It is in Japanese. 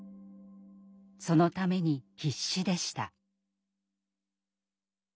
そのために必死でした。